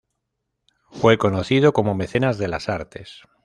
Fue conocido como mecenas de las artes.